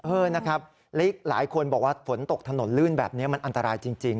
เออนะครับและอีกหลายคนบอกว่าฝนตกถนนลื่นแบบนี้มันอันตรายจริง